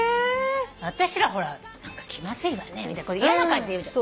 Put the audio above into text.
私らほら何か気まずいわねみたいな嫌な感じで言うじゃん。